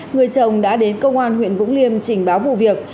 người chồng đã đến công an huyện vũng liêm trình báo vụ việc